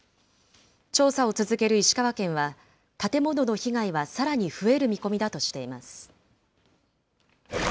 調査を続ける石川県は、建物の被害はさらに増える見込みだとしています。